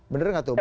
benar nggak taufik